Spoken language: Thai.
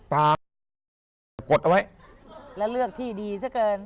ปากสะกดเอาไว้แล้วเลือกที่ดีซะเกิน